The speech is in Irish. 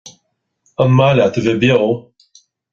An maith leat a bheith beo?